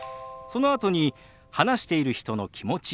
そのあとに話している人の気持ち